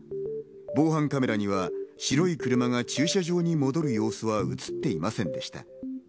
防犯カメラには白い車が駐車場に戻る様子は映っていませんでした。